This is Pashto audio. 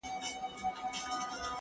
هغه څوک چي لوښي وچوي منظم وي!.